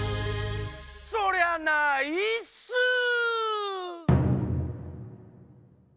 そりゃないっすー！